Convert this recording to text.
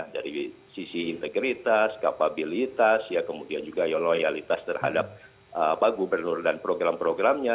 dari sisi integritas kapabilitas kemudian juga loyalitas terhadap gubernur dan program programnya